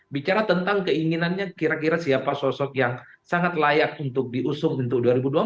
bicara tentang keinginannya kira kira siapa sosok yang sangat layak untuk diusung untuk dua ribu dua puluh empat